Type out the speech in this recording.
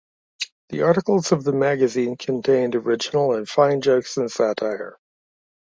The articles of the magazine contained original and fine jokes and satire.